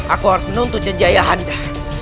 aku harus menuntut jenjaya anda